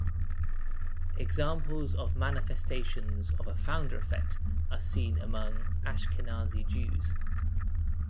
Examples of manifestations of a founder effect are seen among Ashkenazi Jews.